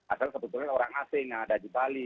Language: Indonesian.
ada sebetulnya orang asing yang ada di bali